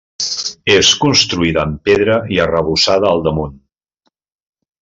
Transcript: És construïda en pedra i arrebossada al damunt.